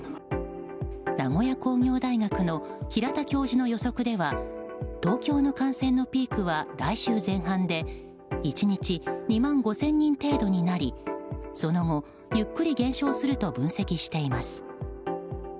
名古屋工業大学の平田教授の予測では東京の感染のピークは来週前半で１日２万５０００人程度になりその後、ゆっくり減少すると分析しています。